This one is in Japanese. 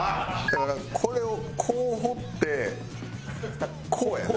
だからこれをこう放ってこうやな。